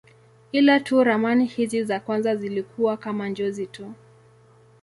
Ila tu ramani hizi za kwanza zilikuwa kama njozi tu.